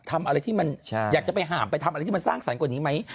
ทำอะไรที่มันอยากจะไปห่ามไปทำอะไรที่มันสร้างสรรค์กว่านี้ไหม